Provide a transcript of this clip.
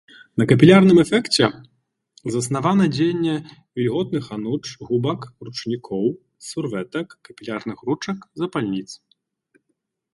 На капілярным эфекце заснавана дзеянне вільготных ануч, губак, ручнікоў, сурвэтак, капілярных ручак, запальніц.